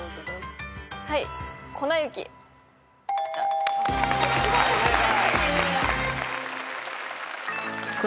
はい正解。